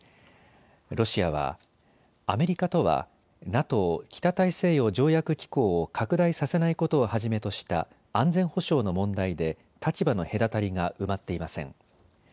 ロシアは、アメリカとはＮＡＴＯ・北大西洋条約機構を拡大させないことをはじめとした安全保障の問題で立場の隔たりが埋まっていません。